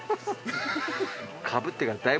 かぶってからだいぶ